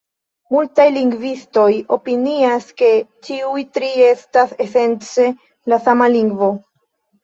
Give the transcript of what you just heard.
Multaj lingvistoj opinias, ke ĉiuj tri estas esence la sama lingvo.